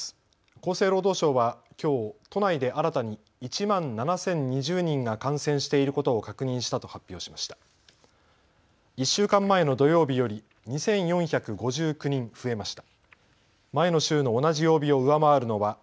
厚生労働省はきょう都内で新たに１万７０２０人が感染していることを確認したと発表しました。